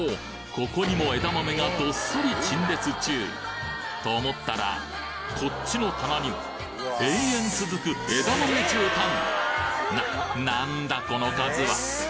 ここにも枝豆がどっさり陳列中と思ったらこっちの棚には延々続くななんだこの数は！